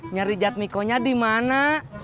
nyari jadmikonya dimana